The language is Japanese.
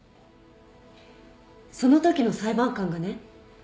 そのときの裁判官がね